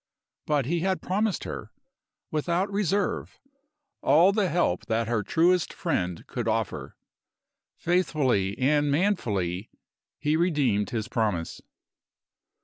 But he had promised her, without reserve, all the help that her truest friend could offer. Faithfully and manfully he redeemed his promise.